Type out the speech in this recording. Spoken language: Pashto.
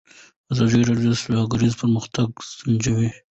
ازادي راډیو د سوداګري پرمختګ سنجولی.